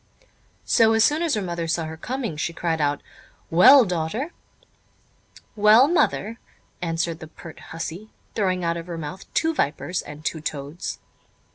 So soon as her mother saw her coming, she cried out: "Well, daughter?" "Well, mother?" answered the pert hussey, throwing out of her mouth two vipers and two toads.